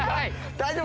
大丈夫？